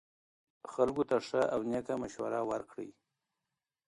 خلکو ته ښه او نیکه مشوره ورکړئ.